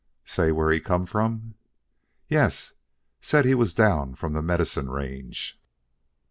"Say where he come from?" "Yes, said he was down from the Medicine range."